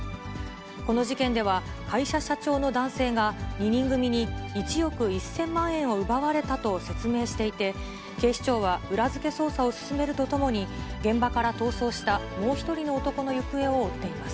この事件では、会社社長の男性が、２人組に１億１０００万円を奪われたと説明していて、警視庁は裏付け捜査を進めるとともに、現場から逃走したもう１人の男の行方を追っています。